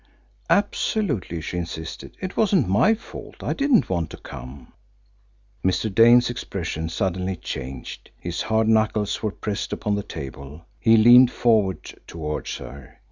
"Absolutely," she insisted. "It wasn't my fault. I didn't want to come." Mr. Dane's expression suddenly changed. His hard knuckles were pressed upon the table, he leaned forward towards her.